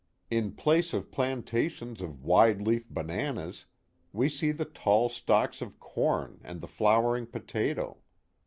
In place of plantations of wide leaf bananas, we see the tall stalks of corn and the flowering potato.